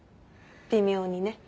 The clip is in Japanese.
微妙にね。